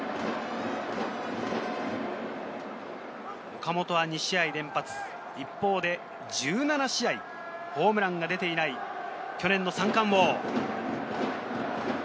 岡本は２試合連発、一方で１７試合、ホームランが出ていない去年の三冠王。